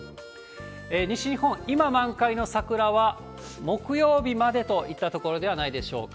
西日本、今満開の桜は木曜日までといったところではないでしょうか。